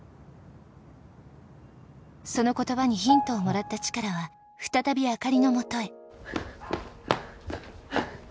その言葉にヒントをもらったチカラは再び灯のもとへ。